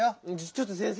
ちょっと先生。